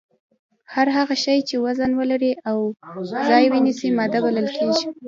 هر هغه شی چې وزن ولري او ځای ونیسي ماده بلل کیږي